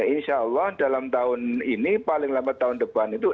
insya allah dalam tahun ini paling lambat tahun depan itu